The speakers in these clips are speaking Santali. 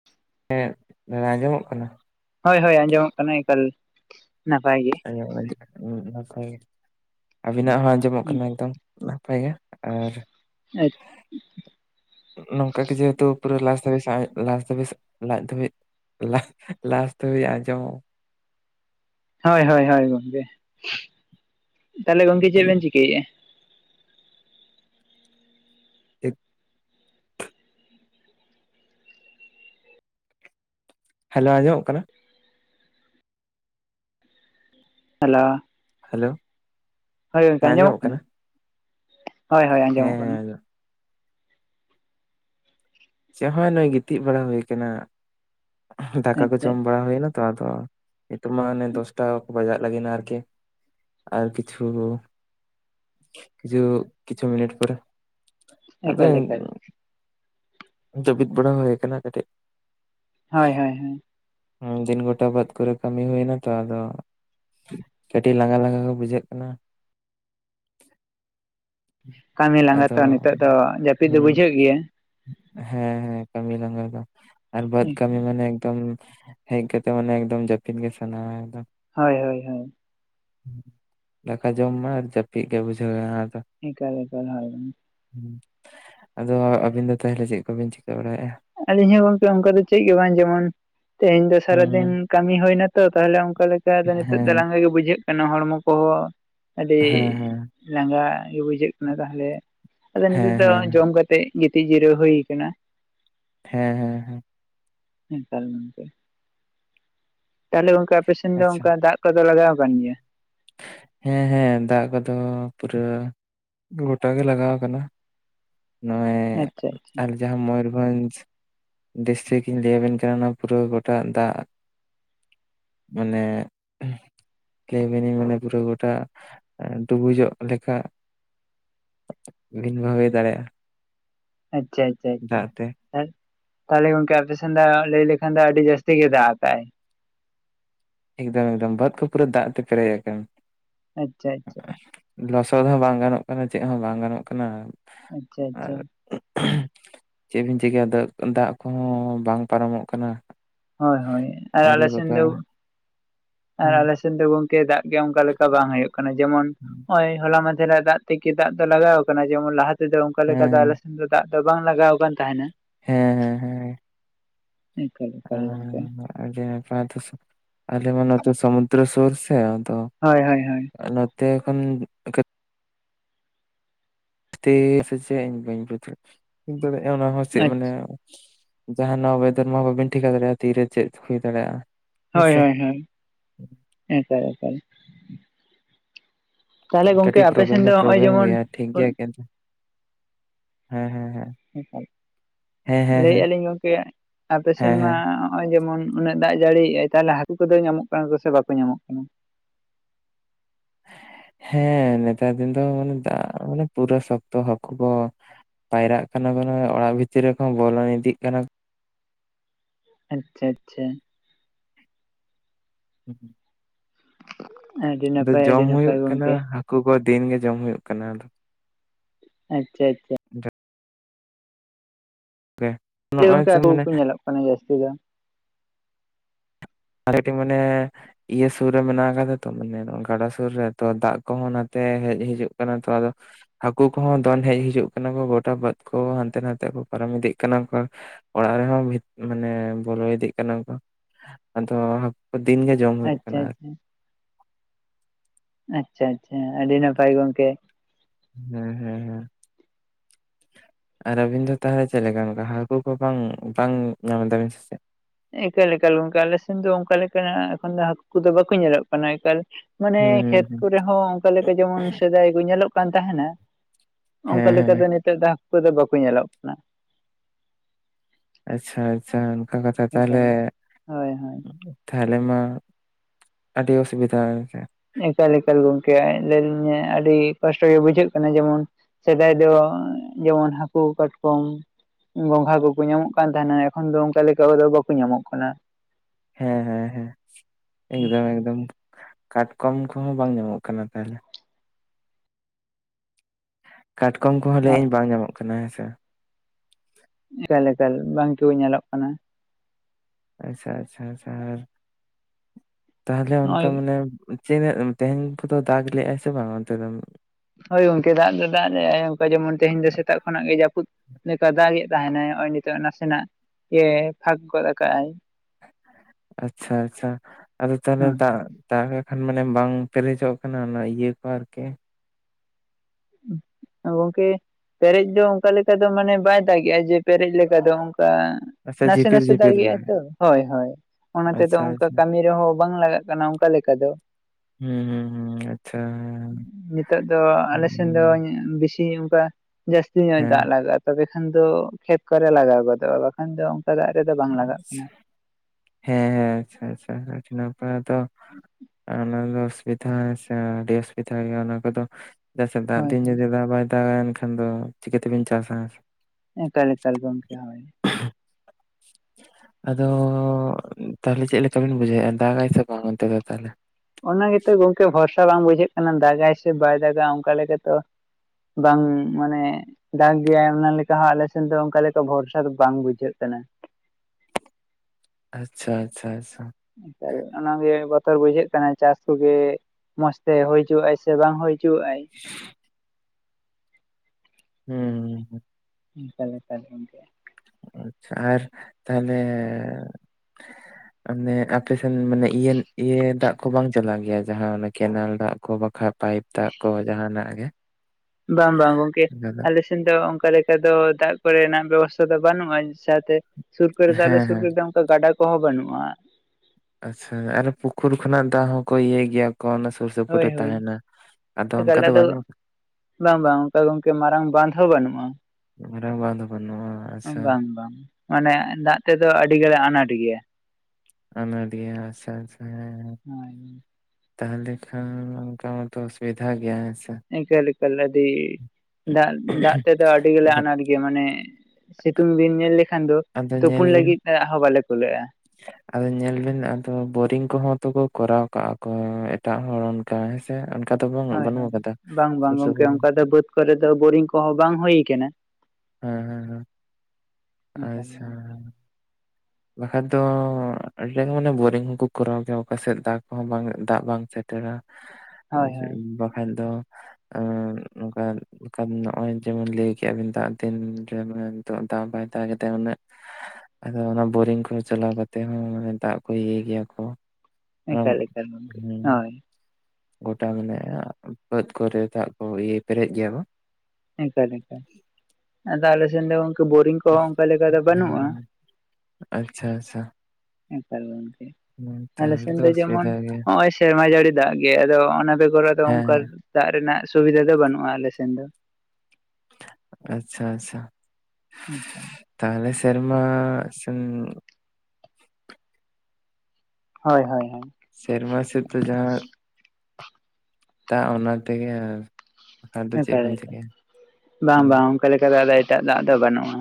[inaudible] ᱦᱮᱸ ᱮᱸ ᱟᱸᱡᱚᱢᱚᱜ ᱠᱟᱱᱟ? ᱦᱳᱭ ᱦᱳᱭ ᱟᱸᱡᱚᱢᱚᱜ ᱠᱟᱱᱟ ᱮᱠᱟᱞ ᱱᱟᱯᱟᱭ ᱜᱮ᱾ [unintelligible] ᱟᱹᱵᱤᱱᱟᱜ ᱦᱚᱸ ᱟᱸᱡᱚᱢᱚᱜ ᱠᱟᱱᱟ ᱮᱠᱫᱚᱢ᱾ ᱱᱟᱯᱟᱭ ᱜᱮ ᱟᱨ, ᱟᱪ ᱱᱚᱝᱠᱟ ᱜᱮ ᱡᱮᱦᱮᱛᱩ ᱯᱩᱨᱟᱹ ᱞᱟᱥ ᱨᱮ ᱥᱟᱸᱦᱮᱫ ᱞᱟᱥ ᱫᱷᱟᱵᱤᱡ ᱞᱟᱡᱽ ᱫᱷᱟᱹᱵᱤᱡ, [unintelligible] ᱞᱟᱥ ᱫᱷᱟᱹᱵᱤᱡ ᱟᱡᱚᱢᱚᱜ, ᱦᱳᱭ ᱦᱳᱭ ᱦᱳᱭ ᱜᱚᱢᱠᱮ ᱛᱟᱦᱚᱞᱮ ᱜᱚᱢᱠᱮ ᱪᱮᱫ ᱵᱮᱱ ᱪᱤᱠᱟᱹᱭᱮᱜ-ᱟ? [unintelligible] ᱦᱮᱞᱳ ᱟᱸᱡᱚᱢᱚᱜ ᱠᱟᱱᱟ? ᱦᱮᱞᱳ᱾ ᱦᱮᱞᱳ᱾ ᱦᱳᱭ ᱜᱚᱢᱠᱮ ᱟᱸᱡᱚᱢᱚᱜ ᱠᱟᱱᱟ? ᱸᱦᱳᱭ ᱦᱳᱭ ᱟᱸᱡᱚᱢᱚᱜ ᱠᱟᱱᱟ᱾ ᱦᱮᱸ ᱪᱮ ᱦᱚᱸᱵᱟᱝ ᱱᱚᱜ-ᱚᱭ ᱜᱤᱛᱤᱡ ᱵᱟᱲᱟ ᱦᱩᱭ ᱟᱠᱟᱱᱟ᱾ ᱫᱟᱠᱟ ᱠᱚ ᱟᱪᱪᱷᱟ ᱡᱚᱢ ᱟᱪᱪᱷᱟ ᱵᱟᱲᱟ ᱦᱩᱭᱮᱱᱟ ᱛᱚ ᱟᱫᱚ ᱱᱤᱛᱚᱜ ᱢᱟᱟᱱᱮ ᱫᱚᱥᱴᱟ ᱵᱟᱡᱟᱜ ᱞᱟᱹᱜᱤᱱᱟ ᱟᱨᱠᱤ᱾ ᱟᱨ ᱠᱤᱪᱷᱩ ᱠᱤᱪᱷᱩ ᱠᱤᱪᱷᱩ ᱢᱤᱱᱤᱴ ᱯᱚᱨᱮ ᱟᱫᱚ ᱮᱠᱟᱞ ᱮᱠᱟᱞ ᱡᱟᱹᱯᱤᱫ ᱵᱟᱲᱟ ᱦᱩᱭ ᱠᱟᱱᱟ ᱠᱟᱹᱴᱤᱡ᱾ ᱦᱳᱭ ᱦᱳᱭ ᱦᱳᱭ᱾ ᱩᱱ ᱫᱤᱱ ᱜᱚᱴᱟ ᱵᱟᱹᱫᱽ ᱠᱚᱨᱮ ᱠᱟᱹᱢᱤ ᱦᱩᱭᱮᱱᱟ ᱛᱚ ᱟᱫᱚ ᱠᱟᱹᱴᱤᱡ ᱞᱟᱸᱜᱟ ᱞᱟᱸᱜᱟ ᱠᱚ ᱵᱩᱡᱷᱟᱹᱜ ᱠᱟᱱᱟ᱾ ᱠᱟᱹᱢᱤ ᱞᱟᱸᱜᱟ ᱟᱫᱚ ᱛᱚ ᱱᱤᱛᱚᱜ ᱫᱚ ᱡᱟᱹᱯᱤᱫ ᱫᱚ ᱦᱩᱸ ᱵᱩᱡᱷᱟᱹᱜ ᱜᱮᱭᱟ᱾ ᱦᱮᱸ ᱦᱮᱸ ᱠᱟᱹᱢᱤ ᱞᱟᱸᱜᱟ ᱫᱚ ᱟᱨ ᱵᱟᱹᱫᱽ ᱠᱟᱹᱢᱤ ᱢᱟᱱᱮ ᱮᱠᱫᱚᱢ ᱦᱮᱡ ᱠᱟᱛᱮᱜ ᱢᱟᱱᱮ ᱮᱠᱫᱚᱢ ᱡᱟᱹᱯᱤᱫ ᱜᱮ ᱥᱟᱱᱟᱣᱟ ᱮᱠᱫᱚᱢ᱾ ᱦᱳᱭ ᱦᱳᱭ ᱦᱳᱭ᱾ ᱫᱟᱠᱟ ᱡᱚᱢ ᱢᱟ ᱟᱨ ᱡᱟᱹᱯᱤᱫ ᱜᱮ ᱵᱩᱡᱷᱟᱹᱣᱟ ᱟᱫᱚ᱾ ᱮᱠᱟᱞ ᱮᱠᱟᱞ ᱦᱳᱭ ᱦᱳᱭ᱾ ᱟᱫᱚ ᱟᱹᱵᱤᱱ ᱫᱚ ᱛᱟᱦᱚᱞᱮ ᱪᱮᱫ ᱠᱚᱵᱤᱱ ᱪᱤᱠᱟᱹ ᱵᱟᱲᱟᱭᱮᱜ-ᱟ? ᱟᱞᱤᱧ ᱦᱚᱸ ᱜᱚᱝᱠᱮ ᱚᱱᱠᱟ ᱫᱚ ᱪᱮᱫ ᱜᱮ ᱵᱟᱝ ᱡᱮᱢᱚᱱ ᱛᱮᱦᱮᱧ ᱫᱚ ᱥᱟᱨᱟᱫᱤᱱ ᱦᱩᱸ ᱠᱟᱹᱢᱤ ᱦᱩᱭᱮᱱᱟ ᱛᱚ ᱛᱟᱦᱚᱞᱮ ᱚᱱᱠᱟ ᱞᱮᱠᱟ ᱟᱫᱚ ᱱᱤᱛᱚᱜ ᱫᱚ ᱦᱮᱸ ᱞᱟᱸᱜᱟ ᱜᱮ ᱵᱩᱡᱷᱟᱹᱜ ᱠᱟᱱᱟ ᱦᱚᱲᱢᱚ ᱠᱚᱦᱚ ᱟᱹᱰᱤ ᱦᱮᱸ ᱞᱟᱸᱜᱟ ᱜᱮ ᱵᱩᱡᱷᱟᱹᱜ ᱠᱟᱱᱟ ᱛᱟᱦᱚᱞᱮ᱾ ᱟᱫᱚ ᱱᱤᱛᱚᱜ ᱦᱮᱸ ᱦᱮᱸ ᱫᱚ ᱦᱮᱸ ᱡᱚᱢ ᱠᱟᱛᱮᱫ ᱜᱤᱛᱤᱡ ᱡᱤᱨᱟᱹᱣ ᱦᱩᱭ ᱠᱟᱱᱟ᱾ ᱦᱮᱸ ᱦᱮᱸ᱾ ᱦᱮᱸ ᱛᱟᱦᱚᱞᱮ ᱜᱚᱝᱠᱮ᱾ ᱛᱟᱦᱚᱞᱮ ᱜᱚᱝᱠᱮ ᱟᱯᱮᱥᱮᱱ ᱫᱚ ᱟᱪᱪᱷᱟ ᱚᱱᱠᱟ ᱫᱟᱜ ᱠᱚᱫᱚ ᱞᱟᱜᱟᱣ ᱠᱟᱱ ᱜᱮᱭᱟ? ᱦᱮᱸ ᱦᱮᱸ ᱫᱟᱜ ᱠᱚᱫᱚ ᱯᱩᱨᱟᱹ ᱜᱚᱴᱟ ᱜᱮ ᱞᱟᱜᱟᱣ ᱠᱟᱱᱟ᱾ ᱱᱚᱜ-ᱚᱭ ᱟᱪᱪᱷᱟ ᱟᱪᱪᱷᱟ ᱟᱞ ᱡᱟᱦᱟᱸ ᱢᱚᱭᱩᱨᱵᱷᱚᱸᱡᱽ ᱰᱤᱥᱴᱤᱠ ᱤᱧ ᱞᱟᱹᱭ ᱟᱵᱮᱱ ᱠᱟᱱᱟ ᱚᱱᱟ ᱯᱩᱨᱟᱹ ᱜᱚᱴᱟ ᱫᱟᱜ ᱢᱟᱱᱮ ᱞᱟᱹᱭ ᱟᱵᱮᱱᱤᱧ ᱢᱟᱱᱮ ᱯᱩᱨᱟᱹ ᱜᱚᱴᱟ ᱰᱩᱵᱩᱡᱚᱜ ᱞᱮᱠᱟ ᱵᱷᱤᱱᱱᱚ ᱦᱩᱭ ᱫᱟᱲᱮᱭᱟᱜᱼᱟ᱾ ᱟᱪᱪᱷᱟ ᱟᱪᱪᱷᱟ ᱟᱪᱪᱷᱟ᱾ ᱫᱟᱜ ᱛᱮ ᱛᱟᱦᱚᱞᱮ ᱜᱚᱝᱠᱮ ᱟᱯᱮᱥᱮᱱ ᱫᱚ ᱞᱟᱹᱭ ᱞᱮᱠᱷᱟᱱ ᱫᱚ ᱟᱰᱤ ᱡᱟᱥᱛᱤ ᱜᱮ ᱫᱟᱜ ᱟᱠᱟᱜ-ᱟᱭ᱾ ᱮᱠᱫᱚᱢ ᱮᱠᱫᱚᱢ ᱵᱟᱹᱫᱽ ᱠᱚ ᱯᱩᱨᱟᱹ ᱫᱟᱜ ᱛᱮ ᱯᱮᱨᱮᱡ ᱟᱠᱟᱱᱟ᱾ ᱟᱪᱪᱷᱟ ᱟᱪᱪᱷᱟ᱾ ᱞᱚᱥᱚᱫ ᱦᱚᱸ ᱵᱟᱝ ᱜᱟᱱᱚᱜ ᱠᱟᱱᱟ ᱪᱮᱜ ᱦᱚᱸ ᱵᱟᱝ ᱜᱟᱱᱚᱜ ᱠᱟᱱᱟ᱾ ᱟᱪᱪᱷᱟ ᱟᱨ ᱟᱪᱪᱷᱟ᱾ ᱪᱮᱫ ᱵᱤᱱ ᱪᱤᱠᱟᱹᱭᱟ ᱟᱫᱚ ᱫᱟᱜ ᱠᱚᱦᱚᱸ ᱵᱟᱝ ᱯᱟᱨᱚᱢᱚᱜ ᱠᱟᱱᱟ᱾ ᱦᱳᱭ ᱦᱳᱭ ᱟᱨ ᱟᱹᱰᱤ ᱟᱞᱮᱥᱮᱱ ᱜᱚᱴᱟ ᱫᱚ ᱟᱨ ᱦᱩᱸ ᱟᱞᱮᱥᱮ ᱥᱮᱱ ᱫᱚ ᱜᱚᱝᱠᱮ ᱫᱟᱜ ᱜᱮ ᱚᱱᱠᱟ ᱞᱮᱠᱟ ᱵᱟᱝ ᱦᱩᱭᱩᱜ ᱠᱟᱱᱟ ᱡᱮᱢᱚᱱ ᱱᱚᱜ-ᱚᱭ ᱦᱚᱞᱟ ᱢᱟᱫᱷᱮᱨ ᱦᱚᱸᱭ ᱫᱟᱜ ᱛᱮᱠᱮ ᱫᱟᱜ ᱫᱚ ᱞᱟᱜᱟᱣ ᱟᱠᱟᱱᱟ᱾ ᱡᱮᱢᱚᱱ ᱞᱟᱦᱟ ᱛᱮᱫᱚ ᱚᱱᱠᱟ ᱞᱮᱠᱟ ᱫᱚ ᱟᱞᱮ ᱦᱮᱸ ᱥᱮᱱ ᱫᱚ ᱫᱟᱜ ᱫᱚ ᱵᱟᱝ ᱞᱟᱜᱟᱣ ᱠᱟᱱ ᱛᱟᱦᱮᱸᱱᱟ᱾ ᱦᱮᱸ ᱦᱮᱸ ᱦᱮᱸ᱾ ᱮᱠᱟᱞ᱾ ᱚ᱾ ᱮᱠᱟᱞ ᱜᱚᱝᱠᱮ [unintelligible] ᱟᱞᱮ ᱢᱟ ᱱᱚᱛᱮ ᱥᱚᱢᱩᱫᱫᱨᱚ ᱥᱳᱨ ᱥᱮ ᱟᱫᱚ ᱦᱳᱭ ᱦᱳᱭ ᱦᱳᱭ᱾ ᱟ ᱱᱚᱛᱮ ᱠᱷᱚᱱ ᱠᱟᱹᱛ ᱛᱮ ᱥᱮ ᱪᱮᱫ ᱤᱧ ᱵᱟᱹᱧ ᱵᱩᱡ ᱫᱟᱲᱮᱜ [inaudible] ᱫᱟᱲᱮᱭᱟᱜᱼᱟ ᱚᱱᱟ ᱦᱚᱸ ᱪᱮᱫ ᱦᱳᱭ ᱢᱟᱱᱮ ᱡᱟᱦᱟᱸ ᱱᱚᱣᱟ ᱚᱭᱮᱫᱟᱨ ᱢᱟ ᱵᱟᱵᱤᱱ ᱴᱷᱤᱠᱟ ᱫᱟᱲᱮᱭᱟᱜᱼᱟ ᱛᱤᱨᱮ ᱪᱮᱫ ᱦᱩᱭ ᱫᱟᱲᱮᱭᱟᱜᱼᱟ? ᱦᱳᱭ ᱦᱮᱸᱥᱮ ᱦᱳᱭ ᱦᱳᱭ, ᱮᱠᱟᱞ, ᱮᱠᱟᱞ ᱾ ᱛᱟᱦᱚᱞᱮ ᱜᱚᱝᱠᱮ ᱠᱟᱹᱴᱤᱡ ᱟᱯᱮ ᱯᱨᱚᱵᱨᱮᱢ ᱥᱮᱱ ᱫᱚ ᱱᱚᱜᱼᱚᱭ ᱯᱨᱚᱵᱞᱮᱢ ᱡᱮᱢᱚᱱ ᱜᱮᱭᱟ ᱴᱷᱤᱠ ᱜᱮᱭᱟ ᱠᱤᱱᱛᱩ ᱦᱮᱸ ᱦᱮᱸ ᱦᱮᱸ᱾ ᱮᱠᱟᱞ, ᱦᱮᱸ ᱦᱮᱸ ᱦᱮᱸ ᱞᱟᱹᱭᱮᱜᱼᱟ ᱞᱤᱧ ᱜᱚᱝᱠᱮ ᱟᱯᱮ ᱥᱮᱱ ᱦᱮᱸ ᱢᱟ ᱦᱮᱸ ᱦᱚᱜᱼᱚᱭ ᱡᱮᱢᱚᱱ ᱩᱱᱟᱹᱜ ᱫᱟᱜ ᱡᱟᱹᱲᱤᱭᱮᱜᱼᱟᱭ ᱛᱟᱦᱚᱞᱮ ᱦᱟᱹᱠᱩ ᱠᱚᱫᱚ ᱧᱟᱢᱚᱜ ᱠᱟᱱᱟ ᱠᱚ ᱥᱮ ᱵᱟᱠᱚ ᱧᱟᱢᱚᱜ ᱠᱟᱱᱟ? ᱦᱮᱸ ᱱᱮᱛᱟᱨ ᱫᱤᱱ ᱫᱚ ᱢᱟᱱᱮ ᱫᱟᱜ ᱢᱟᱱᱮ ᱯᱩᱨᱟᱹ ᱥᱚᱠᱛᱚ ᱦᱟᱠᱩ ᱠᱚᱦᱚᱸ ᱯᱟᱭᱨᱟᱜ ᱠᱟᱱᱟ ᱠᱚ ᱱᱚᱜᱼᱚᱭ ᱚᱲᱟᱜ ᱵᱷᱤᱛᱤᱨ ᱨᱮ ᱠᱚ ᱵᱚᱞᱚ ᱤᱫᱤᱜ ᱠᱟᱱᱟ᱾ ᱟᱪᱪᱷᱟ ᱟᱪᱪᱷᱟ᱾ [inaudible] ᱟᱹᱰᱤ ᱟᱫᱚ ᱱᱟᱯᱟᱭ ᱡᱚᱢ ᱟᱹᱰᱤ ᱱᱟᱯᱟᱭ ᱦᱩᱭᱩᱜ ᱠᱟᱱᱟ ᱜᱚᱝᱠᱮ ᱦᱟᱹᱠᱩ ᱠᱚ ᱫᱤᱱᱜᱮ ᱡᱚᱢ ᱦᱩᱭᱩᱜ ᱠᱟᱱᱟ ᱟᱫᱚ᱾ ᱟᱪᱪᱷᱟ ᱟᱪᱪᱷᱟ᱾ [inaudible] ᱛᱟᱦᱚᱞᱮ ᱱᱚᱜᱼᱚᱭ ᱜᱚᱝᱠᱮ ᱛᱚ [inaudible] ᱠᱚ ᱢᱟᱱᱮ ᱠᱚ ᱧᱮᱞᱚᱜ ᱠᱟᱱᱟ ᱡᱟᱥᱛᱤ ᱫᱚ? [inaudible] ᱢᱟᱱᱮ ᱤᱭᱟᱹ ᱥᱩᱨ ᱨᱮ ᱢᱮᱱᱟᱜ ᱠᱟᱫᱟ ᱛᱚ ᱢᱟᱱᱮ ᱱᱚᱣᱟ ᱜᱟᱰᱟ ᱥᱩᱨ ᱨᱮ ᱛᱚ ᱫᱟᱜ ᱠᱚᱦᱚᱸ ᱚᱱᱟᱛᱮ ᱦᱮᱡ ᱦᱤᱡᱩᱜ ᱠᱟᱱᱟ ᱛᱚ ᱟᱫᱚ ᱦᱟᱠᱩ ᱠᱚᱦᱚᱸ ᱫᱚᱱ ᱦᱮᱡ ᱦᱤᱡᱩᱜ ᱠᱟᱱᱟ ᱠᱚ ᱜᱚᱴᱟ ᱵᱟᱹᱫᱽ ᱠᱚ ᱦᱟᱱᱛᱮ ᱱᱟᱛᱮ ᱠᱚ ᱯᱟᱨᱚᱢ ᱤᱫᱤᱜ ᱠᱟᱱᱟ ᱠᱚ ᱚᱲᱟᱜ ᱨᱮᱦᱚᱸ ᱵᱷᱤᱛ ᱢᱟᱱᱮ ᱵᱚᱞᱚ ᱤᱫᱤᱜ ᱠᱟᱱᱟ ᱠᱚ᱾ ᱟᱫᱚ ᱦᱟᱠᱩ ᱠᱚ ᱫᱤᱱ ᱜᱮ ᱡᱚᱢ ᱦᱩᱭᱩᱜ ᱟᱪᱪᱷᱟ ᱠᱟᱱᱟ ᱟᱨ ᱟᱪᱪᱷᱟ ᱟᱪᱪᱷᱟ ᱟᱪᱪᱷᱟ ᱟᱹᱰᱤ ᱱᱟᱯᱟᱭ ᱜᱚᱝᱠᱮ᱾ ᱦᱮᱸ ᱦᱮᱸ ᱦᱮᱸ᱾ ᱟᱨ ᱟᱵᱤᱱ ᱫᱚ ᱛᱟᱦᱚᱞᱮ ᱪᱮᱫ ᱞᱮᱠᱟ ᱱᱚᱝᱠᱟ ᱦᱟᱠᱩ ᱠᱚ ᱵᱟᱝ ᱵᱟᱝ ᱧᱟᱢ ᱫᱟᱵᱤᱱ ᱥᱮ ᱪᱮᱫ? ᱮᱠᱟᱞ ᱮᱠᱟᱞ ᱜᱚᱝᱠᱮ ᱟᱞᱮᱥᱮᱱ ᱫᱚ ᱚᱝᱠᱟ ᱞᱮᱠᱟ ᱱᱟᱜ ᱮᱠᱷᱚᱱ ᱫᱚ ᱦᱟᱠᱩ ᱠᱚᱫᱚ ᱵᱟᱠᱚ ᱧᱮᱞᱚᱜ ᱠᱟᱱᱟ, ᱮᱠᱟᱞ ᱢᱟᱱᱮ ᱦᱩᱸ ᱦᱩᱸ ᱠᱷᱮᱛ ᱦᱩᱸ ᱠᱚᱨᱮᱦᱚᱸ ᱚᱝᱠᱟ ᱞᱮᱠᱟ ᱡᱮᱢᱚᱱ ᱥᱮᱫᱟᱭ ᱠᱚ ᱧᱮᱞᱚᱜ ᱠᱟᱱ ᱛᱟᱦᱮᱱᱟ ᱾ ᱦᱮᱸ ᱚᱝᱠᱟ ᱞᱮᱠᱟ ᱦᱮᱸ ᱫᱚ ᱱᱤᱛᱚᱜ ᱫᱚ ᱦᱟᱠᱩ ᱠᱚᱫᱚ ᱵᱟᱠᱚ ᱧᱮᱞᱚᱜ ᱠᱟᱱᱟ᱾ ᱟᱪᱪᱷᱟ ᱟᱪᱪᱷᱟ ᱚᱱᱠᱟ ᱠᱟᱛᱷᱟ ᱛᱟᱦᱚᱞᱮ᱾ ᱮᱠᱟᱞ ᱦᱳᱭ ᱦᱳᱭ ᱛᱟᱦᱚᱞᱮ ᱢᱟ ᱟᱰᱤ ᱚᱥᱩᱵᱤᱫᱷᱟ ᱮᱱᱠᱷᱟᱡ ᱾ ᱮᱠᱟᱞ ᱮᱠᱟᱞ ᱜᱚᱝᱠᱮ ᱞᱟᱹᱭ ᱫᱤᱧ ᱟᱰᱤ ᱠᱚᱥᱴᱚ ᱜᱮ ᱵᱩᱡᱷᱟᱹᱜ ᱠᱟᱱᱟ ᱡᱮᱢᱚᱱ ᱥᱮᱫᱟᱭ ᱫᱚ ᱡᱮᱢᱚᱱ ᱦᱟᱠᱩ, ᱠᱟᱴᱠᱚᱢ ᱜᱚᱝᱜᱷᱟ ᱠᱚᱠᱚ ᱧᱟᱢᱚᱜ ᱠᱟᱱ ᱛᱟᱦᱮᱱᱟ ᱮᱠᱷᱚᱱ ᱫᱚ ᱚᱝᱠᱟ ᱞᱮᱠᱟ ᱟᱫᱚ ᱵᱟᱠᱚ ᱧᱟᱢᱚᱜ ᱠᱟᱱᱟ᱾ ᱦᱮᱸ ᱦᱮᱸ ᱦᱮᱸ ᱮᱠᱫᱚᱢ ᱮᱠᱫᱚᱢ ᱠᱟᱴᱠᱚᱢ ᱠᱚᱦᱚᱸ ᱵᱟᱝ ᱧᱟᱢᱚᱜ ᱠᱟᱱᱟ ᱛᱟᱦᱚᱞᱮ? ᱠᱟᱴᱠᱚᱢ ᱠᱚᱦᱚᱸ ᱞᱟᱹᱭ ᱤᱧ ᱵᱟᱝ ᱧᱟᱢᱚᱜ ᱠᱟᱱᱟ ᱦᱮᱸᱥᱮ! ᱮᱠᱟᱞ ᱮᱠᱟᱞ ᱵᱟᱝ ᱪᱩ ᱧᱮᱞᱚᱜ ᱠᱟᱱᱟ ᱾ ᱟᱪᱪᱷᱟ ᱟᱪᱪᱷᱟ ᱟᱪᱪᱷᱟ ᱟᱨ ᱛᱟᱦᱚᱞᱮ ᱚᱱᱠᱟ ᱱᱚᱜᱼᱚᱭ ᱢᱟᱱᱮ ᱪᱤᱱᱟᱹ ᱛᱮᱦᱮᱧ ᱠᱚᱫᱚ ᱫᱟᱜᱽ ᱞᱮᱜᱼᱟᱭ ᱥᱮ ᱵᱟᱝ ᱚᱱᱛᱮ ᱫᱚ? ᱦᱳᱭ ᱜᱚᱝᱠᱮ ᱫᱟᱜ ᱫᱚ ᱫᱟᱜ ᱞᱮᱜᱼᱟᱭ ᱚᱝᱠᱟ ᱡᱮᱢᱚᱱ ᱛᱮᱦᱮᱧ ᱫᱚ ᱥᱮᱛᱟᱜ ᱠᱷᱚᱱᱟᱜ ᱜᱮ ᱡᱟᱹᱯᱩᱫ ᱞᱮᱠᱟ ᱫᱟᱜ ᱮᱜ ᱛᱟᱦᱮᱱᱟᱭ ᱦᱚᱜᱼᱚᱭ ᱱᱤᱛᱚᱜ ᱱᱟᱥᱮᱱᱟᱜ ᱜᱮ ᱯᱷᱟᱠ ᱜᱚᱫ ᱠᱟᱜᱼᱟᱭ ᱾ ᱟᱪᱪᱷᱟ ᱟᱪᱪᱷᱟ ᱟᱫᱚ ᱛᱟᱦᱚᱞᱮ ᱦᱮᱸ ᱫᱟᱜ ᱛᱟᱦᱟᱞᱮ ᱠᱷᱟᱱ ᱢᱟᱱᱮ ᱵᱟᱝ ᱯᱮᱨᱮᱡᱚᱜ ᱠᱟᱱᱟ ᱚᱱᱟ ᱤᱭᱟᱹ ᱠᱚ ᱟᱨᱠᱤ? ᱜᱚᱝᱠᱮ ᱯᱮᱨᱮᱡ ᱫᱚ ᱚᱝᱠᱟ ᱞᱮᱠᱟ ᱫᱚ ᱢᱟᱱᱮ ᱵᱟᱭ ᱫᱟᱜᱮᱜᱼᱟ ᱡᱮ ᱯᱮᱨᱮᱡ ᱞᱮᱠᱟ ᱫᱚ ᱚᱝᱠᱟ ᱟᱪᱪᱷᱟ ᱱᱟᱥᱮ ᱡᱷᱤᱯᱤᱨ ᱱᱟᱥᱮ ᱫᱟᱜ ᱡᱷᱤᱯᱤᱨ ᱜᱮᱭᱟᱭ ᱛᱚ ᱦᱳᱭ ᱦᱳᱭ ᱾ ᱚᱱᱟ ᱛᱮᱫᱚ ᱟᱪᱪᱷᱟ ᱚᱝᱠᱟ ᱟᱪᱪᱷᱟ ᱠᱟᱹᱢᱤ ᱨᱮᱦᱚᱸ ᱵᱟᱝ ᱞᱟᱜᱟᱜ ᱠᱟᱱᱟ ᱚᱝᱠᱟ ᱞᱮᱠᱟ ᱫᱚ ᱾ ᱦᱩᱸ ᱦᱩᱸ ᱦᱩᱸ ᱟᱪᱪᱷᱟ ᱱᱤᱛᱳᱜ ᱫᱚ ᱟᱞᱮ ᱥᱮᱱ ᱫᱚ ᱮ ᱵᱮᱥᱤ ᱚᱝᱠᱟ ᱡᱟᱹᱥᱛᱤ ᱦᱮᱸ ᱧᱚᱜ ᱦᱮᱸ ᱫᱟᱜ ᱞᱟᱜᱟᱜᱼᱟ ᱾ ᱛᱚᱵᱮ ᱠᱷᱟᱱ ᱫᱚ ᱠᱷᱮᱛ ᱠᱚᱨᱮ ᱞᱟᱜᱟᱣ ᱜᱚᱫᱚᱜᱼᱟ ᱵᱟᱠᱷᱟᱱ ᱫᱚ ᱚᱱᱠᱟ ᱫᱟᱜ ᱨᱮᱫᱚ ᱵᱟᱝ ᱞᱟᱜᱟᱜ ᱠᱟᱱᱟ᱾ ᱦᱮᱸ ᱦᱮᱸ ᱟᱪᱪᱷᱟ ᱟᱪᱪᱷᱟ, ᱟᱹᱰᱤ ᱱᱟᱯᱟᱭ ᱛᱚ ᱚᱥᱩᱵᱤᱫᱷᱟ ᱦᱮᱸ ᱥᱮ ᱟᱹᱰᱤ ᱟᱥᱠᱮᱛ ᱦᱩᱭᱩᱜ ᱜᱮᱭᱟ ᱚᱱᱟ ᱠᱚᱫᱚ ᱪᱮᱫᱟᱜ ᱥᱮ ᱫᱟᱜ ᱦᱳᱭ ᱫᱤᱱ ᱦᱳᱭ ᱡᱩᱫᱤ ᱫᱟᱜ ᱵᱟᱭ ᱫᱟᱜᱟ ᱮᱱᱠᱷᱟᱱ ᱮᱠᱷᱟᱱ ᱫᱚ ᱪᱤᱠᱟᱹ ᱛᱮᱵᱮᱱ ᱪᱟᱥᱟ? ᱮᱠᱟᱞ ᱮᱠᱟᱞ ᱜᱚᱢᱠᱮ ᱦᱳᱭ᱾ ᱟᱫᱚᱻ ᱛᱟᱦᱚᱞᱮ ᱪᱮᱫ ᱞᱮᱠᱟᱵᱤᱱ ᱵᱩᱡᱷᱟᱹᱣᱮᱫᱼᱟ ᱫᱟᱜᱟᱭ ᱥᱮ ᱵᱟᱝ ᱚᱱᱛᱮ ᱫᱚ ᱛᱟᱦᱚᱞᱮ? ᱚᱱᱟ ᱜᱮᱛᱚ ᱜᱚᱝᱠᱮ ᱵᱷᱚᱨᱥᱟ ᱵᱟᱝ ᱵᱩᱡᱷᱟᱹᱜ ᱠᱟᱱᱟ ᱫᱟᱜᱟᱭ ᱥᱮ ᱵᱟᱭ ᱫᱟᱜᱟ ᱚᱱᱠᱟ ᱞᱮᱠᱟᱛᱚ ᱵᱟᱝ ᱢᱟᱱᱮ ᱫᱟᱜ ᱜᱮᱭᱟᱭ ᱚᱱᱟ ᱞᱮᱠᱟ ᱦᱚᱸ ᱟᱞᱮ ᱥᱮᱱ ᱫᱚ ᱚᱱᱠᱟ ᱞᱮᱠᱟ ᱵᱷᱚᱨᱥᱟ ᱵᱟᱝ ᱵᱩᱡᱷᱟᱹᱜ ᱠᱟᱱᱟ᱾ ᱟᱪᱪᱷᱟ ᱟᱪᱪᱷᱟ ᱟᱪᱪᱷᱟ᱾ ᱛᱟᱞ ᱚᱱᱟᱜᱮ ᱵᱚᱛᱚᱨ ᱵᱩᱡᱷᱟᱹᱜ ᱠᱟᱱᱟ ᱪᱟᱥ ᱠᱚᱜᱮ ᱢᱚᱸᱡᱽᱛᱮ ᱦᱳᱭᱪᱚᱣᱟᱜ-ᱟᱭ ᱥᱮ ᱵᱟᱝ ᱦᱳᱭᱪᱚᱣᱟᱜ-ᱟᱭ? [unintelligible] ᱦᱩᱸᱻ ᱮᱠᱟᱞ ᱮᱠᱟᱞ ᱜᱚᱢᱠᱮ᱾ ᱟᱪᱪᱷᱟ ᱟᱨ ᱛᱟᱦᱞᱮ ᱟᱱᱮ ᱟᱯᱮᱥᱮᱱ ᱢᱟᱱᱮ ᱤᱭᱟᱹ ᱤᱭᱟᱹ ᱫᱟᱜ ᱠᱚ ᱵᱟᱝ ᱪᱟᱞᱟᱜ ᱜᱮᱭᱟ ᱡᱟᱦᱟᱸ ᱚᱱᱟ ᱠᱮᱱᱮᱞ ᱫᱟᱜ ᱠᱚ ᱵᱟᱠᱷᱟᱡ ᱯᱟᱭᱤᱯ ᱫᱟᱜ ᱠᱚ ᱡᱟᱦᱟᱸᱱᱟᱜ ᱜᱮ? ᱵᱟᱝ ᱵᱟᱝ ᱜᱚᱝᱠᱮ ᱟᱞᱮ ᱥᱮᱫ ᱫᱚ ᱚᱱᱠᱟ ᱞᱮᱠᱟ ᱫᱚ ᱫᱟᱜ ᱠᱚᱨᱮᱱᱟᱜ ᱵᱮᱵᱚᱥᱛᱷᱟ ᱫᱚ ᱵᱟᱹᱱᱩᱜ-ᱟ ᱥᱟᱶᱛᱮ ᱥᱩᱨ ᱠᱚᱨᱮ ᱫᱚ ᱟᱞᱮ ᱦᱮᱸ ᱥᱩᱨ ᱦᱮᱸ ᱠᱚᱨᱮ ᱫᱚ ᱚᱱᱠᱟ ᱜᱟᱰᱟ ᱠᱚᱦᱚᱸ ᱵᱟᱹᱱᱩᱜ-ᱟ᱾ ᱟᱪᱪᱷᱟ ᱟᱨ ᱯᱩᱠᱩᱨ ᱠᱷᱚᱱᱟᱜ ᱫᱟᱜ ᱦᱚᱸᱠᱚ ᱤᱭᱟᱹᱭ ᱜᱮᱭᱟ ᱠᱚ ᱚᱱᱟ ᱥᱩᱨ ᱥᱩᱯᱩᱨ ᱨᱮ ᱛᱟᱦᱮᱸᱱᱟ᱾ ᱛᱟᱦᱚᱞᱮ ᱫᱚ, ᱵᱟᱝ ᱵᱟᱝ ᱚᱱᱠᱟ ᱜᱚᱝᱠᱮ ᱢᱟᱨᱟᱝ ᱵᱟᱸᱫᱷ ᱦᱚᱸ ᱵᱟᱹᱱᱩᱜ-ᱟ᱾ ᱢᱟᱨᱟᱝ ᱵᱟᱸᱫᱷ ᱦᱚᱸ ᱵᱟᱹᱱᱩᱜᱱ-ᱟ ᱵᱟᱝ? ᱵᱟᱝ ᱵᱟᱝ ᱢᱟᱱᱮ ᱫᱟᱜ ᱛᱮᱫᱚ ᱟᱹᱰᱤ ᱜᱮᱞᱮ ᱟᱱᱟᱴ ᱜᱮᱭᱟ᱾ ᱚᱱᱟᱴ ᱜᱮᱭᱟ ᱟᱪᱪᱷᱟ ᱟᱪᱪᱷᱟ ᱦᱮᱸ ᱦᱮᱸ᱾ ᱦᱳᱭ, ᱛᱟᱦᱚᱞᱮ ᱠᱷᱟᱱ ᱚᱱᱠᱟ ᱚᱥᱩᱵᱤᱫᱷᱟ ᱜᱮᱭᱟ ᱦᱮᱸ ᱥᱮ? ᱮᱠᱟᱞ ᱮᱠᱟᱞ ᱟᱹᱰᱤ ᱫᱟᱜ ᱫᱟᱜ ᱛᱮᱫᱚ ᱟᱹᱰᱤ ᱜᱮᱞᱮ ᱟᱫᱚ ᱟᱱᱟᱴ ᱜᱮᱭᱟ᱾ ᱢᱟᱱᱮ ᱥᱤᱛᱩᱝ ᱫᱤᱱ ᱧᱮᱞ ᱞᱮᱠᱷᱟᱱ ᱫᱚ ᱟᱫᱚ ᱧᱮᱞ ᱛᱩᱯᱩᱱ ᱵᱤᱱ ᱞᱟᱹᱜᱤᱫ ᱫᱟᱜ ᱦᱚᱸ ᱵᱟᱞᱮ ᱠᱩᱞᱟᱹᱜ-ᱟ᱾ ᱟᱫᱚ ᱧᱮᱞ ᱵᱤᱱ ᱟᱫᱚ ᱵᱳᱨᱤᱝ ᱠᱚᱦᱚᱸ ᱛᱚᱠᱚ ᱠᱚᱨᱟᱣ ᱠᱟᱜ-ᱟ ᱠᱚ ᱮᱴᱟᱜ ᱦᱚᱲ, ᱚᱱᱠᱟ ᱦᱮᱸᱥᱮ ᱚᱱᱠᱟ ᱫᱚ ᱵᱟᱝ ᱦᱳᱭ ᱵᱟᱹᱱᱩᱜ ᱦᱳᱭ ᱟᱠᱟᱫᱟ᱾ ᱵᱟᱝ ᱵᱟᱝ ᱥᱩᱨ ᱜᱚᱝᱠᱮ ᱥᱩᱯᱩᱨ ᱨᱮ ᱚᱱᱠᱟ ᱫᱚ ᱵᱟᱹᱫᱽ ᱠᱚᱨᱮ ᱫᱚ ᱵᱳᱨᱤᱝ ᱠᱚᱦᱚᱸ ᱵᱟᱝ ᱦᱩᱭ ᱟᱠᱟᱱᱟ, ᱦᱮᱸ ᱦᱮᱸ ᱦᱮᱸ, ᱟᱪᱪᱷᱟ, ᱵᱟᱠᱷᱟᱱ ᱫᱚ ᱟᱹᱰᱤ ᱢᱟᱱᱮ ᱵᱳᱨᱤᱝ ᱦᱚᱸᱠᱚ ᱠᱚᱨᱟᱣ ᱜᱮᱭᱟ ᱚᱠᱟ ᱥᱮᱫ ᱫᱟᱜ ᱠᱚᱦᱚᱸ ᱵᱟᱝ ᱫᱟᱜ ᱵᱟᱝ ᱥᱮᱴᱮᱨᱟ᱾ ᱦᱳᱭ ᱦᱳᱭ ᱵᱟᱠᱷᱟᱱ ᱫᱚ ᱟ ᱱᱚᱝᱠᱟ ᱱᱚᱜ-ᱚᱭ ᱡᱮᱢᱚᱱ ᱞᱟᱹᱭ ᱠᱮᱫ-ᱟ ᱵᱤᱱ ᱫᱟᱜ ᱫᱤᱱ ᱡᱮᱢᱚᱱ ᱛᱚ ᱫᱟᱜ ᱦᱚᱸ ᱵᱟᱭ ᱫᱟᱜ ᱮᱫᱟᱭ ᱩᱱᱟᱹᱜ, ᱟᱫᱚ ᱚᱱᱟ ᱵᱳᱨᱤᱝ ᱠᱚ ᱪᱟᱞᱟᱣ ᱠᱟᱛᱮ ᱦᱚᱸ ᱢᱟᱱᱮ ᱫᱟᱜ ᱠᱚ ᱤᱭᱟᱹᱭ ᱜᱮᱭᱟ ᱠᱚ, ᱟᱨ ᱮᱠᱟᱞ ᱮᱠᱟᱞ ᱜᱚᱢᱠᱮ ᱦᱩᱸ ᱦᱳᱭ᱾ ᱜᱚᱴᱟ ᱢᱟᱱᱮ ᱵᱟᱹᱫ ᱠᱚᱨᱮ ᱫᱟᱜ ᱠᱚ ᱤᱭᱟᱹ ᱯᱮᱨᱮᱡ ᱜᱮᱭᱟ ᱠᱚ, ᱮᱠᱟᱞ ᱮᱠᱟᱞ, ᱟᱫᱚ ᱟᱞᱮ ᱥᱮᱱ ᱫᱚ ᱜᱚᱝᱠᱮ ᱵᱳᱨᱤᱝ ᱠᱚᱦᱚᱸ ᱚᱱᱠᱟ ᱞᱮᱠᱟ ᱫᱚ ᱵᱟᱹᱱᱩᱜ-ᱟ, ᱦᱮᱸ ᱟᱪᱪᱷᱟ ᱟᱪᱪᱷᱟ᱾ ᱮᱠᱟᱞ ᱜᱚᱢᱠᱮ᱾ ᱦᱩᱸ ᱟᱞᱮ ᱛᱟᱦᱚᱞᱮ ᱥᱮᱱ ᱫᱚ ᱡᱮᱢᱚᱱ ᱚᱥᱩᱵᱤᱫᱷᱟ ᱜᱮ ᱦᱚᱸᱜ-ᱚᱭ ᱥᱮᱨᱢᱟ ᱡᱟᱹᱲᱤ ᱫᱟᱜ ᱜᱮ ᱟᱫᱚ ᱚᱱᱟ ᱵᱮᱜᱚᱨ ᱟᱫᱚ ᱦᱮᱸ ᱚᱱᱠᱟ ᱦᱮᱸ ᱫᱟᱜ ᱨᱮᱱᱟᱜ ᱥᱩᱵᱤᱫᱷᱟ ᱫᱚ ᱵᱟᱹᱱᱩᱜᱼᱟ ᱟᱞᱮ ᱥᱮᱱ ᱫᱚ᱾ ᱟᱪᱪᱷᱟ-ᱟᱪᱪᱷᱟ᱾ ᱴᱷᱤᱠᱟ, ᱛᱟᱦᱞᱮ ᱥᱮᱨᱢᱟᱻ ᱥᱮᱱ, ᱦᱳᱭ-ᱦᱳᱭ-ᱦᱳᱭ᱾ ᱥᱮᱨᱢᱟ ᱥᱮᱫᱽ ᱫᱚ ᱡᱟᱦᱟᱸ ᱴᱟᱜ ᱚᱱᱟ ᱛᱮᱜᱮ ᱟᱨ ᱵᱟᱠᱷᱟᱱ ᱫᱚ ᱦᱮᱸ ᱥᱮ ᱪᱮᱫ ᱵᱤᱱ ᱦᱚᱭ ᱥᱮ ᱪᱤᱠᱟᱹᱭᱟ ᱦᱩᱸ ᱵᱟᱝ-ᱵᱟᱝ ᱚᱱᱠᱟ ᱞᱮᱠᱟ ᱫᱚ ᱮᱴᱟᱜ ᱫᱟᱜ ᱫᱚ ᱵᱟᱹᱱᱩᱜᱼᱟ᱾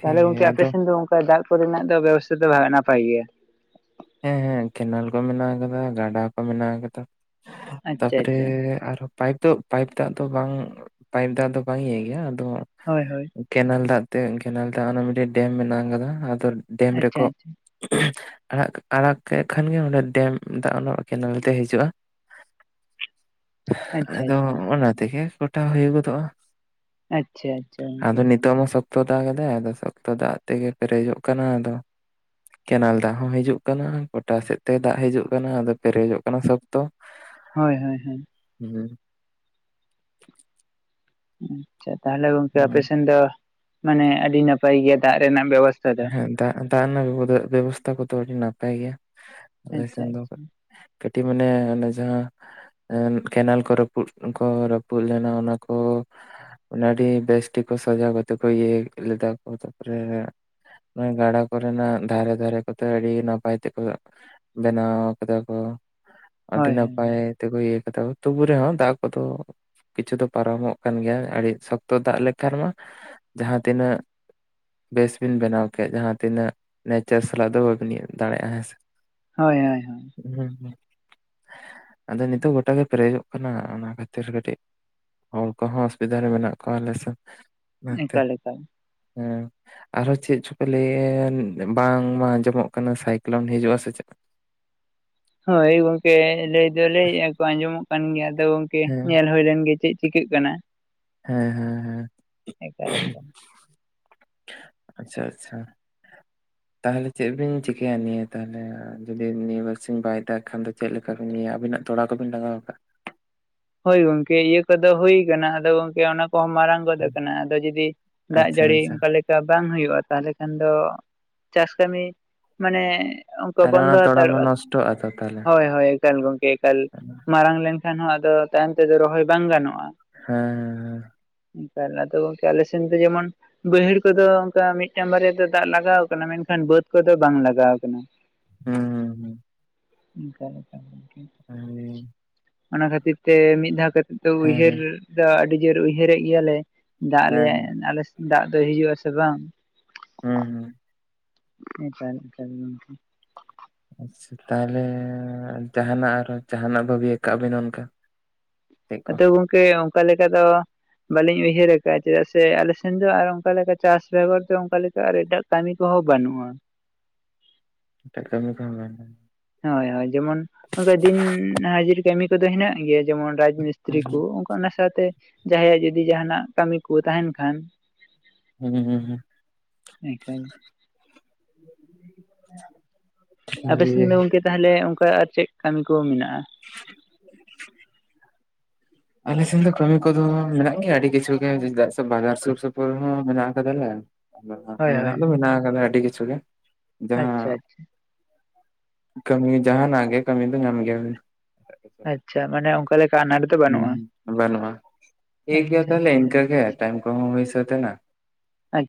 ᱛᱟᱦᱚᱞᱮ ᱜᱚᱝᱠᱮ ᱟᱯᱮ ᱟᱫᱚ ᱥᱮᱱ ᱫᱚ ᱚᱱᱠᱟ ᱫᱟᱜ ᱠᱚᱨᱮᱱᱟᱜ ᱫᱚ ᱵᱮᱵᱚᱥᱛᱷᱟ ᱫᱚ ᱱᱟᱯᱟᱭ ᱜᱮᱭᱟ᱾ ᱦᱮᱸ-ᱦᱮᱸ ᱠᱮᱱᱮᱞ ᱠᱚ ᱢᱮᱱᱟᱜ ᱟᱠᱟᱫᱟ ᱜᱟᱰᱟ ᱠᱚ ᱢᱮᱱᱟᱜ ᱟᱠᱟᱫᱟ, ᱟᱪᱪᱷᱟ ᱛᱟᱨᱯᱚᱨᱮ ᱟᱪᱪᱷᱟ ᱟᱨᱦᱚ, ᱯᱟᱭᱤᱯ ᱫᱚ, ᱯᱟᱭᱤᱯ ᱫᱟᱜ ᱫᱚ ᱵᱟᱝᱻ ᱯᱟᱭᱤᱯ ᱫᱟᱜ ᱫᱚ ᱵᱟᱝ ᱤᱭᱟᱹᱭ ᱜᱮᱭᱟ ᱟᱫᱚ, ᱦᱳᱭ-ᱦᱳᱭ᱾ ᱠᱮᱱᱮᱞ ᱫᱟᱜ ᱛᱮ ᱠᱮᱱᱮᱞ ᱫᱟᱜ ᱚᱱᱟ ᱢᱤᱫᱴᱮᱡ ᱰᱮᱢ ᱢᱮᱱᱟᱜ ᱠᱟᱫᱟ ᱟᱫᱚ ᱰᱮᱢ ᱟᱪᱪᱷᱟ ᱨᱮᱠᱚ, ᱟᱪᱪᱷᱟ ᱟᱲᱟᱜ ᱠᱟᱜ ᱟᱲᱟᱜ ᱠᱮᱫ ᱠᱷᱟᱱ ᱜᱮ ᱚᱸᱰᱮ ᱰᱮᱢ ᱫᱟᱜ ᱚᱱᱟ ᱠᱮᱱᱮᱞ ᱛᱮ ᱦᱤᱡᱩᱜᱼᱟ᱾ ᱟᱪᱪᱷᱟ ᱟᱫᱚ ᱟᱪᱪᱷᱟ ᱚᱱᱟ ᱛᱮᱜᱮ ᱜᱳᱴᱟ ᱦᱩᱭᱩ ᱜᱚᱫᱚᱜᱼᱟ᱾ ᱟᱪᱪᱷᱟ-ᱟᱪᱪᱷᱟ ᱜᱚᱝᱠᱮ, ᱟᱫᱚ ᱱᱤᱛᱚᱜ ᱢᱟ ᱥᱚᱠᱛᱚ ᱫᱟ ᱜᱮᱫᱟᱭ ᱟᱫᱚ ᱥᱚᱠᱛᱚ ᱫᱟᱜ ᱛᱮᱜᱮ ᱯᱮᱨᱮᱡᱚᱜ ᱠᱟᱱᱟ ᱟᱫᱚ, ᱠᱮᱱᱮᱞ ᱫᱟᱜ ᱦᱚᱸ ᱦᱤᱡᱩᱜ ᱠᱟᱱᱟ, ᱠᱚᱴᱟ ᱥᱮᱫ ᱛᱮ ᱫᱟᱜ ᱦᱤᱡᱩᱜ ᱠᱟᱱᱟ ᱟᱫᱚ ᱯᱮᱨᱮᱡᱚᱜ ᱠᱟᱱᱟ ᱥᱚᱠᱛᱚ, ᱦᱳᱭ-ᱦᱳᱭ-ᱦᱳᱭ᱾ ᱦᱮᱸ [unintelligible] ᱟᱪᱪᱷᱟ ᱛᱟᱦᱚᱞᱮ ᱜᱚᱝᱠᱮ ᱦᱩᱸ ᱟᱯᱮᱥᱮᱱ ᱫᱚ ᱢᱟᱱᱮ ᱟᱹᱰᱤ ᱱᱟᱯᱟᱭ ᱜᱮᱭᱟ ᱫᱟᱜ ᱨᱮᱱᱟᱜ ᱵᱮᱵᱚᱥᱛᱷᱟ ᱫᱚ, ᱦᱮᱸ ᱫᱟᱜ, ᱫᱟᱜ ᱨᱮᱱᱟᱜ ᱵᱮᱵᱚᱥᱛᱷᱟ ᱠᱚᱫᱚ ᱟᱹᱰᱤ ᱱᱟᱯᱟᱭ ᱜᱮᱭᱟ ᱟᱞᱮ ᱟᱪᱪᱷᱟ ᱥᱮᱱ ᱫᱚ, ᱟᱪᱪᱷᱟ ᱠᱟᱹᱴᱤᱡᱽ ᱢᱟᱱᱮ ᱚᱱᱮ ᱡᱟᱦᱟᱸ ᱠᱮᱱᱮᱞ ᱠᱚ ᱨᱟᱹᱯᱩᱫ ᱠᱚ ᱨᱟᱹᱯᱩᱫᱽ ᱞᱮᱱᱟ ᱚᱱᱟ ᱠᱚ ᱚᱱᱟ ᱟᱹᱰᱤ ᱵᱮᱥ ᱴᱷᱤᱠ ᱠᱚ ᱥᱟᱡᱟᱣ ᱠᱟᱛᱮ ᱠᱚ ᱤᱭᱟᱹ ᱞᱮᱫᱟ ᱠᱚ ᱛᱟᱯᱚᱨᱮ, ᱱᱚᱭ ᱜᱟᱰᱟ ᱠᱚᱨᱮᱱᱟᱜ ᱫᱷᱟᱨᱮ-ᱫᱷᱟᱨᱮ ᱠᱚᱫᱚ ᱟᱹᱰᱤ ᱱᱟᱯᱟᱭ ᱛᱮᱠᱚ ᱵᱮᱱᱟᱣ ᱠᱟᱫᱟ ᱠᱚ, ᱟᱹᱰᱤ ᱦᱳᱭ ᱦᱳᱭ ᱱᱟᱯᱟᱭ ᱛᱮᱠᱚ ᱤᱭᱟᱹ ᱠᱟᱫᱟ ᱛᱩᱵᱩ ᱨᱮᱦᱚᱸ ᱫᱟᱜ ᱠᱚ ᱫᱚ, ᱠᱤᱪᱷᱩ ᱫᱚ ᱯᱟᱨᱚᱢᱚᱜ ᱠᱟᱱ ᱜᱮᱭᱟ ᱟᱹᱰᱤ ᱥᱚᱠᱛᱚ ᱫᱟᱜ ᱞᱮᱠᱷᱟᱱ ᱢᱟ ᱡᱟᱦᱟᱸ ᱛᱤᱱᱟᱹᱜ, ᱵᱮᱥ ᱵᱤᱱ ᱵᱮᱱᱟᱣ ᱠᱮᱫ ᱡᱟᱦᱟᱸ ᱛᱤᱱᱟᱹᱜ ᱱᱮᱪᱟᱨ ᱥᱟᱞᱟᱜ ᱫᱚ ᱵᱟᱹᱵᱤᱱ ᱤᱭᱟᱹ ᱫᱟᱲᱮᱜᱼᱟ ᱦᱮᱸ ᱥᱮ᱾ ᱦᱳᱭ-ᱦᱳᱭ-ᱦᱳᱭ᱾ ᱦᱮᱸ-ᱦᱮᱸ ᱟᱫᱚ ᱱᱤᱛᱚᱜ ᱜᱚᱴᱟ ᱜᱮ ᱯᱮᱨᱮᱡᱚᱜ ᱠᱟᱱᱟ ᱚᱱᱟ ᱠᱷᱟᱹᱛᱤᱨ ᱠᱟᱹᱴᱤᱡ, ᱦᱚᱲ ᱠᱚᱦᱚᱸ ᱚᱥᱩᱵᱤᱫᱷᱟ ᱨᱮ ᱢᱮᱱᱟᱜ ᱠᱚᱣᱟ ᱟᱞᱮ ᱥᱮᱫ ᱚᱱᱟᱛᱮ ᱮᱠᱟᱞ ᱮᱠᱟᱞ ᱦᱮᱸ᱾ ᱟᱨᱚᱸ ᱪᱮᱫ ᱪᱚᱯᱮ ᱞᱟᱹᱭᱮᱱ ᱵᱟᱝᱢᱟ ᱟᱸᱡᱚᱢᱚᱜ ᱠᱟᱱᱟ ᱥᱟᱭᱠᱚᱞᱚᱱ ᱦᱤᱡᱩᱜᱼᱟᱥᱮ ᱪᱮᱫᱽ᱾ ᱦᱳᱭ ᱜᱚᱝᱠᱮ ᱞᱟᱹᱭ ᱫᱚ ᱞᱟᱹᱭᱮᱜ-ᱟ ᱠᱚ ᱟᱸᱡᱚᱢᱚᱜ ᱠᱟᱱ ᱜᱮᱭᱟ ᱟᱫᱚ ᱜᱚᱝᱠᱮ ᱦᱮᱸ ᱧᱮᱞ ᱦᱩᱭ ᱞᱮᱱ ᱜᱮ ᱪᱮᱫ ᱪᱤᱠᱟᱹᱜ ᱠᱟᱱᱟ᱾ ᱦᱮᱸ-ᱦᱮᱸ-ᱦᱮᱸ᱾ ᱮᱠᱟᱞ-ᱮᱠᱟᱞ᱾ ᱟᱪᱪᱷᱟ-ᱟᱪᱪᱷᱟ᱾ ᱛᱟᱦᱚᱞᱮ ᱪᱮᱫ ᱵᱤᱱ ᱪᱤᱠᱟᱹᱭᱟ ᱱᱤᱭᱟᱹ ᱛᱟᱦᱚᱞᱮ ᱡᱩᱫᱤ ᱱᱤᱭᱟᱹ ᱵᱟᱨᱥᱤᱧ ᱵᱟᱭ ᱫᱟᱜ ᱠᱷᱟᱱ ᱫᱚ ᱪᱮᱫ ᱞᱮ ᱠᱟᱨᱢᱤᱭᱟᱜ ᱟᱵᱤᱱᱟᱜ ᱛᱚᱲᱟ ᱠᱚ ᱵᱤᱱ ᱞᱟᱸᱜᱟᱣ ᱟᱠᱟᱜ-ᱟ᱾ ᱦᱳᱸᱭ ᱜᱚᱝᱠᱮ ᱤᱭᱟᱹᱠᱚ ᱫᱚ ᱦᱩᱹᱭ ᱠᱟᱱᱟ ᱟᱫᱚ ᱜᱚᱝᱠᱮ ᱚᱱᱟ ᱠᱚᱦᱚᱸ ᱢᱟᱨᱟᱝ ᱜᱚᱫ ᱠᱟᱱᱟ ᱟᱫᱚ ᱡᱩᱫᱤ ᱫᱟᱜ ᱟᱪᱪᱷᱟ ᱡᱟᱹᱲᱤ ᱟᱪᱪᱷᱟ ᱚᱱᱠᱟ ᱞᱮ ᱠᱟ ᱵᱟᱝ ᱦᱩᱭᱩᱜᱼᱟ ᱛᱟᱦᱞᱮ ᱠᱷᱟᱱ ᱫᱚ ᱪᱟᱥ ᱠᱟᱹᱢᱤ ᱢᱟᱱᱮ ᱚᱱᱠᱟ ᱛᱟᱦᱚᱞᱮ ᱚᱱᱟ ᱵᱚᱱᱫᱚ ᱛᱚᱲᱟ ᱢᱟ ᱦᱟᱛᱟᱲᱚᱜ-ᱟ ᱱᱚᱥᱴᱚᱜᱼᱟ ᱛᱚ ᱛᱟᱦᱚᱞᱮ ᱦᱳᱭ ᱦᱳᱭ᱾ ᱮᱠᱟᱞ ᱜᱚᱝᱠᱮ ᱮᱠᱟᱞ, ᱦᱮᱸ ᱦᱮᱸ ᱢᱟᱨᱟᱝ ᱞᱮᱱᱠᱷᱟᱱ ᱦᱚᱸ ᱟᱫᱚ ᱛᱟᱭᱚᱢ ᱛᱮᱫᱚ ᱨᱚᱦᱚᱭ ᱵᱟᱝ ᱜᱟᱱᱚᱜᱼᱟ᱾ ᱦᱮᱸ ᱦᱮᱸ᱾ ᱮᱠᱟᱞ ᱟᱫᱚ ᱜᱚᱝᱠᱮ ᱟᱞᱮ ᱥᱮᱱ ᱫᱚ ᱡᱮᱢᱚᱱ ᱵᱮᱹᱭᱦᱮᱹᱲ ᱠᱚᱫᱚ ᱚᱱᱠᱟ ᱢᱤᱫᱴᱟᱱ ᱵᱟᱹᱭᱦᱟᱹᱲ ᱠᱚᱫᱚ ᱚᱱᱠᱟ ᱢᱤᱫᱴᱟᱝ ᱵᱟᱨᱭᱟ ᱫᱚ ᱫᱟᱜ ᱞᱟᱜᱟᱣ ᱠᱟᱱᱟ ᱢᱮᱱᱠᱷᱟᱱ ᱵᱮᱹᱫ ᱠᱚᱫᱚ ᱵᱟᱝ ᱞᱟᱜᱟᱣ ᱠᱟᱱᱟ᱾ ᱦᱩᱸ ᱦᱩᱸ᱾ ᱚᱱᱠᱟ ᱞᱮᱠᱟ ᱟᱨᱠᱤ᱾ [inaudible] ᱚᱱᱟ ᱠᱷᱟᱹᱛᱤᱨ ᱛᱮ ᱢᱤᱫ ᱫᱷᱟᱣ ᱠᱟᱛᱮᱜ ᱫᱚ ᱦᱮᱸ ᱩᱭᱦᱟᱹᱨ ᱦᱮᱸ ᱫᱚ ᱟᱹᱰᱤ ᱡᱳᱨ ᱩᱭᱦᱟᱹᱨᱮᱜ ᱜᱮᱭᱟ ᱞᱮ᱾ ᱫᱟᱜ ᱦᱮᱸ ᱟᱞᱮᱣᱟ ᱮᱱ ᱟᱞᱮ ᱥᱮᱱ ᱫᱟᱜ ᱫᱚ ᱦᱤᱡᱩᱜ-ᱟ ᱥᱮ ᱵᱟᱝ᱾ ᱦᱩᱸ ᱦᱩᱸ᱾ ᱮᱠᱟᱞ ᱮᱠᱟᱞ ᱜᱚᱝᱠᱮ᱾ ᱟᱪᱪᱷᱟ ᱛᱟᱦᱚᱞᱮ ᱡᱟᱦᱟᱱᱟᱜ ᱟᱨᱚ ᱡᱟᱦᱟᱱᱟᱜ ᱵᱷᱟᱹᱵᱤ ᱟᱠᱟᱜ ᱵᱮᱱ ᱚᱱᱠᱟ? ᱪᱮᱫ ᱠᱚ ᱟᱫᱚ ᱜᱚᱝᱠᱮ ᱚᱱᱠᱟ ᱞᱮᱠᱟ ᱫᱚ ᱵᱟᱹᱞᱤᱧ ᱩᱭᱦᱟᱹᱨ ᱟᱠᱟᱜ-ᱟ ᱪᱮᱫᱟᱜ ᱥᱮ ᱟᱞᱮ ᱥᱮᱱ ᱫᱚ ᱟᱨ ᱚᱱᱠᱟ ᱞᱮᱠᱟ ᱪᱟᱥ ᱵᱮᱜᱚᱨ ᱫᱚ ᱚᱱᱠᱟ ᱞᱮᱠᱟ ᱟᱨ ᱮᱴᱟᱜ ᱠᱟᱹᱱᱤ ᱠᱚᱦᱚᱸ ᱵᱟᱹᱱᱩᱜᱼᱟ᱾ ᱮᱴᱟᱜ ᱠᱟᱹᱢᱤ ᱠᱚᱦᱚᱸ ᱵᱟᱱᱩᱜ-ᱟ᱾ ᱦᱳᱭ ᱦᱳᱭ ᱡᱮᱢᱚᱱ ᱚᱱᱠᱟ ᱫᱤᱱ ᱦᱟᱡᱨᱤ ᱠᱟᱹᱢᱤ ᱠᱚᱫᱚ ᱦᱮᱱᱟᱜ ᱜᱮᱭᱟ ᱡᱮᱢᱚᱱ ᱨᱟᱡᱽ ᱢᱤᱥᱛᱤᱨᱤ ᱠᱚ᱾ ᱚᱱᱟ ᱥᱟᱶᱛᱮ ᱡᱟᱦᱟᱸᱭᱟᱜ ᱡᱩᱫᱤ ᱡᱟᱦᱟᱱᱟᱜ ᱠᱟᱹᱢᱤ ᱠᱚ ᱛᱟᱦᱮᱱ ᱠᱷᱟᱱ ᱦᱩᱸ ᱦᱩᱸ ᱦᱩᱸ᱾ ᱮᱱᱠᱷᱟᱱ ᱟᱯᱮ ᱥᱮᱱ ᱫᱚ ᱴᱷᱤᱠ ᱜᱚᱝᱠᱮ ᱛᱟᱦᱚᱞᱮ ᱚᱱᱠᱟ ᱟᱨ ᱪᱮᱫ ᱠᱟᱹᱢᱤ ᱠᱚ ᱢᱮᱱᱟᱜᱼᱟ? [inaudible] ᱟᱞᱮ ᱥᱮᱱ ᱫᱚ ᱠᱟᱹᱢᱤ ᱠᱚᱫᱚ ᱢᱮᱱᱟᱜᱼᱟ ᱜᱮᱭᱟ ᱟᱹᱰᱤ ᱠᱤᱪᱷᱩ ᱜᱮ ᱪᱮᱫᱟᱜ ᱥᱮ ᱵᱟᱡᱟᱨ ᱥᱩᱨ ᱥᱩᱯᱩᱨ ᱦᱚᱸ ᱢᱮᱱᱟᱜᱼᱟ ᱠᱟᱫᱟ ᱞᱮ ᱦᱳᱭ ᱢᱮᱱᱟᱜ ᱦᱳᱭ ᱫᱚ ᱢᱮᱱᱟᱜ ᱟᱠᱟᱫᱟ ᱟᱰᱤ ᱠᱤᱪᱷᱩ ᱜᱮ, ᱡᱟᱦᱟᱸ ᱟᱪᱪᱷᱟ ᱠᱟᱹᱢᱤ ᱡᱟᱦᱟᱱᱟᱜ ᱜᱮ ᱠᱟᱹᱢᱤ ᱫᱚ ᱧᱟᱢ ᱜᱮ ᱵᱤᱱ᱾ ᱟᱪᱪᱷᱟ ᱢᱟᱱᱮ ᱚᱱᱠᱟ ᱞᱮᱠᱟ ᱟᱱᱟᱴ ᱫᱚ ᱦᱩᱸ ᱵᱟᱹᱱᱩᱜᱼᱟ ᱵᱟᱹᱱᱩᱜᱼᱟ᱾ ᱴᱷᱤᱠ ᱜᱮᱭᱟ ᱟᱪᱪᱷᱟ ᱛᱟᱦᱞᱮ ᱤᱱᱠᱟᱹ ᱜᱮ ᱴᱟᱭᱤᱢ ᱠᱚᱦᱚᱸ ᱦᱩᱹᱭ ᱥᱮᱛ ᱮᱱᱟ᱾ ᱟᱪᱪᱷᱟ